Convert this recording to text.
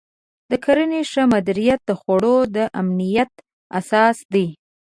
د کرنې ښه مدیریت د خوړو د امنیت اساس دی.